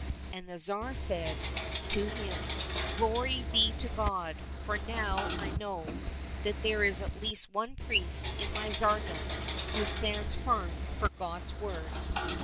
— And the Tsar said to him, " Glory be to God, for now I know that there is at least one priest in my tsardom who stands firm for God's Word.